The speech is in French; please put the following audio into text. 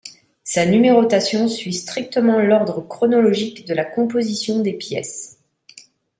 Sa numérotation suit strictement l'ordre chronologique de la composition des pièces.